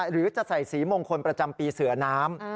หรือจะใส่สีมงคลประจำปีเสือน้ำ